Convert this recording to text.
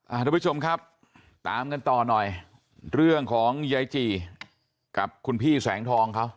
ทุกผู้ชมครับตามกันต่อหน่อยเรื่องของยายจี่กับคุณพี่แสงทองเขา